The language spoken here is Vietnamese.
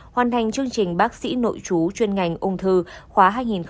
hoàn thành chương trình bác sĩ nội chú chuyên ngành ung thư khóa hai nghìn một mươi chín hai nghìn hai mươi hai